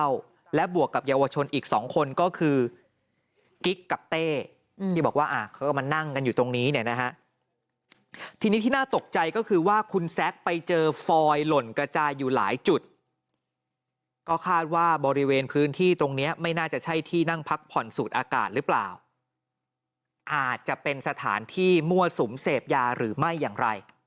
อากาศืดหรือเปล่าอาจจะเป็นสถานที่มั่วสุมเสพยาหรือไม่อย่างไร